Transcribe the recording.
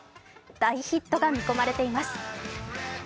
大ヒットが見込まれています。